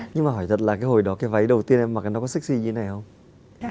nhưng mà hỏi thật là hồi đó cái váy đầu tiên em mặc nó có sexy như thế này không